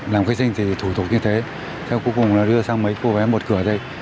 làm khi sinh thì thủ tục như thế theo cuối cùng là đưa sang mấy cô vé một cửa đây